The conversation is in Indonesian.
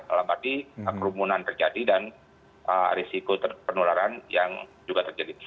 berarti kerumunan terjadi dan risiko penularan yang juga terjadi